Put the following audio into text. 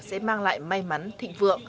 sẽ mang lại may mắn thịnh vượng